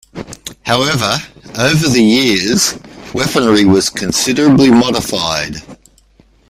However, over the years, weaponry was considerably modified.